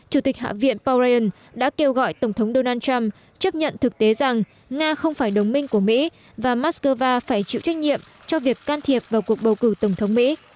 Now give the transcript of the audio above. chủ tịch hạ viện paurien đã kêu gọi tổng thống donald trump chấp nhận thực tế rằng nga không phải đồng minh của mỹ và moscow phải chịu trách nhiệm cho việc can thiệp vào cuộc bầu cử tổng thống mỹ